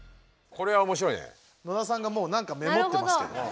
野田さんがもうなんかメモってますけど。